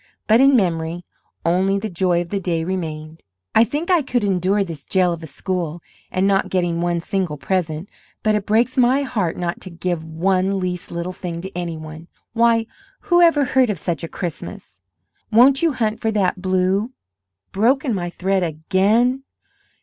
But in memory only the joy of the day remained. "I think I could endure this jail of a school, and not getting one single present, but it breaks my heart not to give one least little thing to any one! Why, who ever heard of such a Christmas!" "Won't you hunt for that blue " "Broken my thread again!"